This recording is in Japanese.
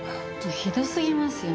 ひどすぎますよ。